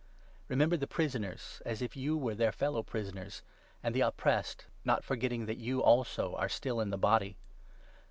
Remember the prisoners, as if you were 3 their fellow prisoners, and the oppressed, not forgetting that you also are still in the body.